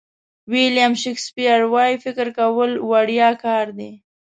ویلیام شکسپیر وایي فکر کول وړیا کار دی.